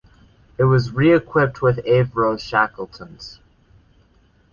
It was re-equipped with Avro Shackletons.